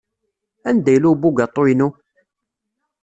Anda yella ubugaṭu-inu?